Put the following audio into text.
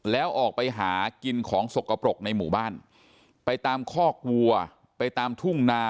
แล้วออกไปหากินของสกปรกในหมู่บ้านไปตามคอกวัวไปตามทุ่งนา